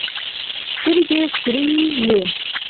سترګې سورې وې.